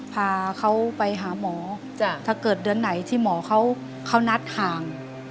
พาเขาไปหาหมอถ้าเกิดเดือนไหนที่หมอเขานัดห่าง